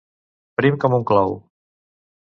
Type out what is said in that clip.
Prim com un clau.